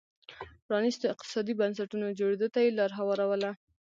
پرانيستو اقتصادي بنسټونو جوړېدو ته یې لار هواروله.